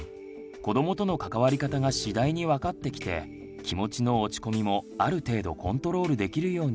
子どもとの関わり方が次第に分かってきて気持ちの落ち込みもある程度コントロールできるようになってきたといいますが。